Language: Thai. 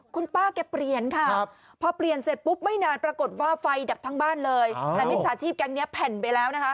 คุณป้าแกเปลี่ยนค่ะพอเปลี่ยนเสร็จปุ๊บไม่นานปรากฏว่าไฟดับทั้งบ้านเลยแต่มิจฉาชีพแก๊งนี้แผ่นไปแล้วนะคะ